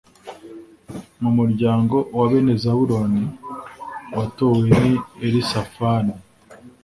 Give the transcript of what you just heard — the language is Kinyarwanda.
mu muryango wa bene zabuloni, uwatowe ni elisafani